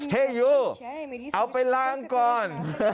เฮยูเอาไปล้างก่อน